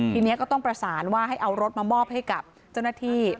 ทีนี้ก็ต้องประสานว่าให้เอารถมามอบให้กับเจ้าหน้าที่